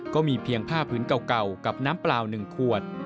ก็มีเพียงผ้าพื้นเก่ากับน้ำเปล่า๑ขวด